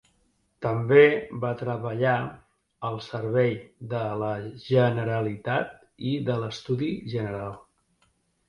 També va treballar al servei de la Generalitat i de l’Estudi general.